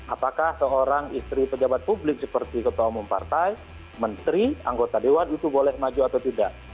apakah seorang istri pejabat publik seperti ketua umum partai menteri anggota dewan itu boleh maju atau tidak